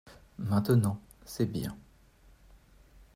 Maintenant c’est bien.